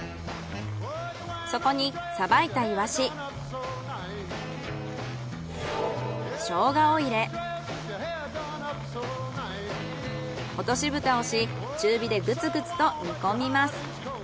そこにさばいたイワシショウガを入れ落としぶたをし中火でグツグツと煮込みます。